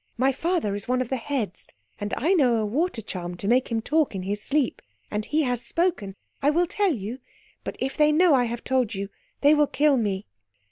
"My father is one of the heads, and I know a water charm to make him talk in his sleep. And he has spoken. I will tell you. But if they know I have told you they will kill me.